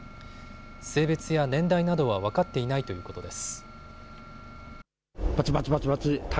性別や年代などは分かっていないということです。